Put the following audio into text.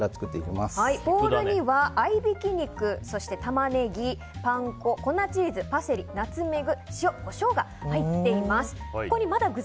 ボウルには合いびき肉そしてタマネギパン粉、粉チーズ、パセリナツメグ、塩コショウが入っています。